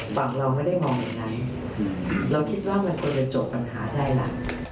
ฝั่งเราไม่ได้มองอย่างนั้นเราคิดว่ามันควรจะจบปัญหาใดล่ะ